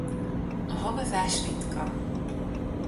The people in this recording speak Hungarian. A havazás ritka.